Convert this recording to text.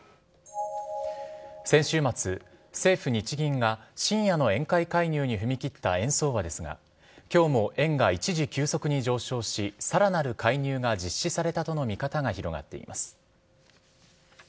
先週末、政府・日銀が深夜の円買い介入に踏み切った円相場ですが、きょうも円が一時急速に上昇し、さらなる介入が実施されたとの見方が広がっています。